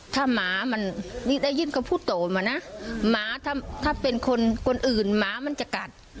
ถ้าหมามันนี่ได้ยินเขาพูดโตมานะหมาถ้าเป็นคนคนอื่นหมามันจะกัด